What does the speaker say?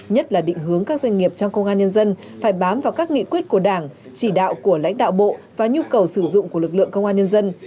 nhất là định hướng các doanh nghiệp trong công an nhân dân phải bám vào các nghị quyết của đảng chỉ đạo của lãnh đạo bộ và nhu cầu sử dụng của lực lượng công an nhân dân